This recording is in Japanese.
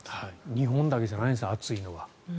日本だけじゃないんですね暑いのは。